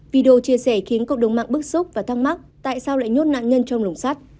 video chia sẻ khiến cộng đồng mạng bức xúc và thắc mắc tại sao lại nhốt nạn nhân trong lồng sắt